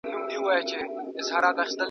چي دا ټوله د دوستانو برکت دی .